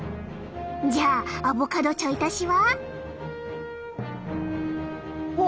じゃあアボカドちょい足しは？